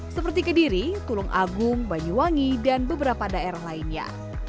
seperti kediri tulung agung banyuwangi dan beberapa daerah lainnya